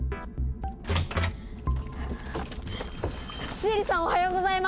シエリさんおはようございます！